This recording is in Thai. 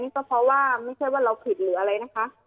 ก็เพราะว่าไม่ใช่ว่าเราผิดหรืออะไรนะคะ